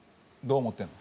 「どう思ってる」。